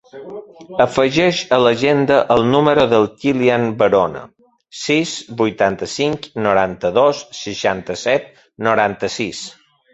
Afegeix a l'agenda el número del Kilian Barona: sis, vuitanta-cinc, noranta-dos, seixanta-set, noranta-sis.